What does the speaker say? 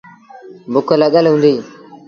بُک لڳل هُݩديٚ۔